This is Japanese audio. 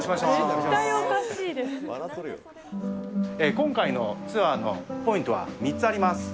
今回のツアーのポイントは３つあります。